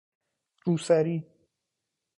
روسری